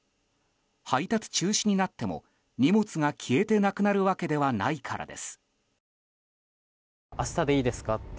配達中止になっても荷物が消えてなくなるわけではないからです。